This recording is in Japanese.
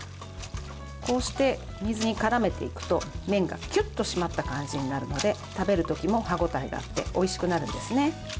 こうして水に絡めていくと麺がキュッと締まった感じになるので食べる時も歯応えがあっておいしくなるんですね。